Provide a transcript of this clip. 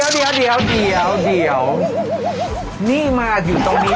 ก็ยังเดี๋ยวจะสอนพี่ได้อุ่นนะคะครับ